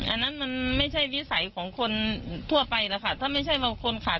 อันนั้นมันไม่ใช่วิสัยของคนทั่วไปแล้วค่ะถ้าไม่ใช่บางคนขาด